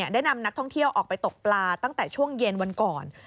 ได้นำนักท่องเที่ยวออกไปตกปลาตั้งแต่ช่วงเย็นวันก่อน